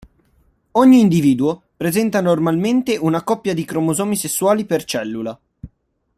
Ogni individuo presenta normalmente una coppia di cromosomi sessuali per cellula.